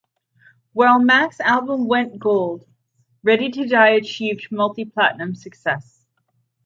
While Mack's album went gold, "Ready to Die" achieved multi-platinum success.